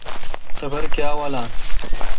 قابر کاں والان۔